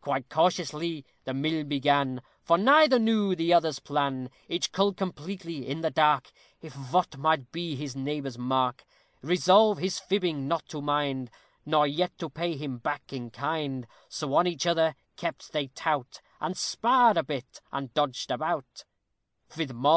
_ Quite cautiously the mill began, For neither knew the other's plan; Each cull completely in the dark, Of vot might be his neighbor's mark; Resolved his fibbing not to mind, Nor yet to pay him back in kind; So on each other kept they tout, And sparred a bit, and dodged about, _Ri, tol, lol, &c.